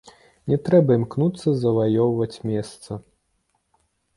Не трэба імкнуцца заваёўваць месца.